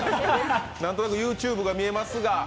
何となくＹｏｕＴｕｂｅが見えますが。